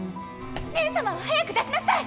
姉様を早く出しなさい！